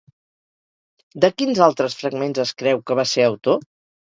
De quins altres fragments es creu que va ser autor?